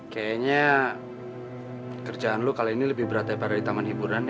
kayaknya kerjaan lo kali ini lebih beratai pada di taman hiburan ya